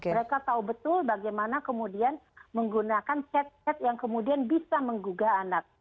mereka tahu betul bagaimana kemudian menggunakan chat chat yang kemudian bisa menggugah anak